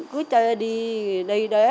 thì cứ chơi đi đi đấy